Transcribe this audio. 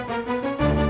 ustaz lu sana bencana